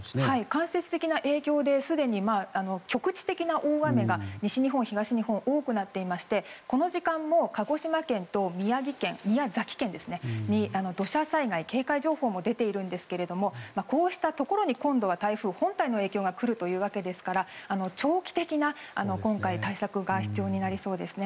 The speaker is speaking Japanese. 間接的な影響で局地的な大雨が東日本、西日本で多くなっていましてこの時間も鹿児島県と宮崎県に土砂災害警戒情報も出ているんですがこうしたところに今度は台風本体の影響が来るというわけですから長期的な対策が必要になりそうです。